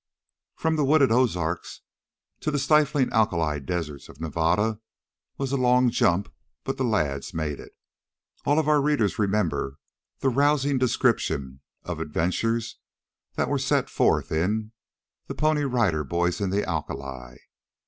From the wooded Ozarks to the stifling alkali deserts of Nevada was a long jump, but the lads made it. All of our readers remember the rousing description of adventures that were set forth in "The Pony Rider Boys In The Alkali."